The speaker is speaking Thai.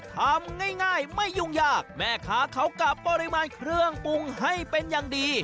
ทำง่ายไม่ยุ่งยากแม่ค้าเขากะปริมาณเครื่องปรุงให้เป็นอย่างดี